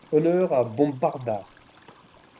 Honneur à Bombarda!